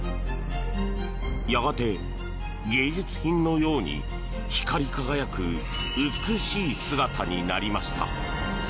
やがて、芸術品のように光り輝く美しい姿になりました。